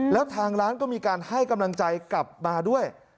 แล้วทางร้านก็มีการให้กำลังใจกลับมาด้วย